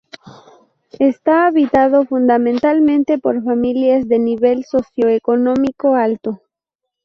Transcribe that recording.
Está habitado fundamentalmente por familias de nivel socioeconómico alto.